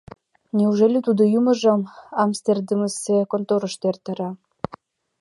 Неужели тудо ӱмыржым амстердамысе конторышто эртара?